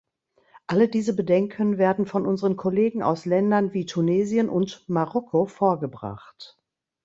Alle diese Bedenken werden von unseren Kollegen aus Ländern wie Tunesien und Marokko vorgebracht.